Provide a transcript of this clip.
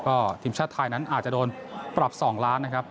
ก็ทีมชาติไทยนั้นอาจจะโดนปรับ๒ล้านนะครับ